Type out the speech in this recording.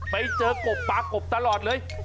ไปเจอกบปลากบตลอดเลย